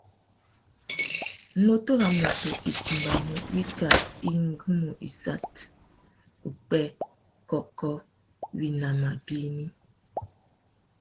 Nutu râ mutu i timbamú wikā igunú issat, upwê, kôkô, winama bignï.